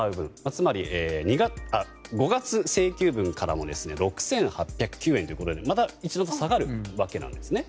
つまり５月請求分からも６８０９円ということでまた下がるわけなんですね。